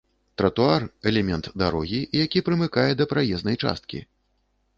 Тратуар — элемент дарогі, які прымыкае да праезнай часткі